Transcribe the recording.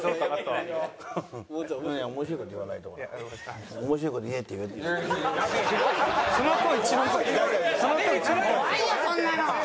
怖いよそんなの。